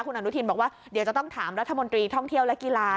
คุณอนุทินบอกว่าเดี๋ยวจะต้องถามรัฐมนตรีท่องเที่ยวและกีฬา